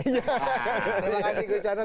terima kasih gujjana